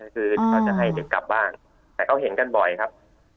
คือเขาจะให้เด็กกลับบ้านแต่เขาเห็นกันบ่อยครับ